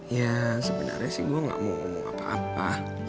ya sebenarnya sih gue gak mau ngomong apa apa